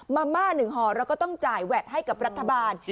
มาม่า๑ห่อเราก็ต้องจ่ายแวดให้กับรัฐบาล